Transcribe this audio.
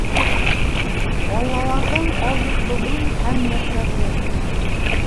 Аллаларҙың алйотлоғон һәм нәфрәтен.